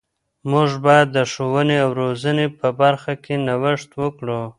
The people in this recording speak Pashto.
موږ باید د ښوونې او روزنې په برخه کې نوښت وکړو.